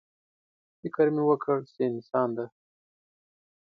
_فکر مې وکړ چې انسان دی.